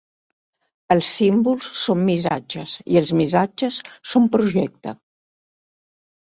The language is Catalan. Els símbols són missatges i els missatges són projecte.